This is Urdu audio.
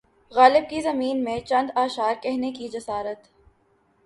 غالب کی زمین میں چند اشعار کہنے کی جسارت